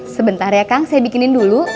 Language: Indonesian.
sebentar ya kang saya bikinin dulu